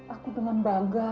aku dengan bangga